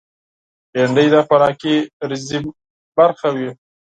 بېنډۍ د خوراکي رژیم برخه وي